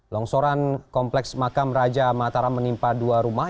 longsoran kompleks makam raja mataram menimpa dua rumah